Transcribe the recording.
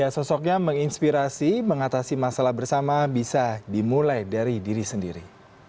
sosoknya menginspirasi mengatasi masalah bersama bisa dimulai dari diri sendiri